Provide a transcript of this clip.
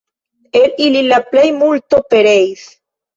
El ili la plejmulto pereis.